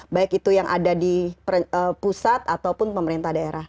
baik itu yang ada di pusat ataupun pemerintah daerah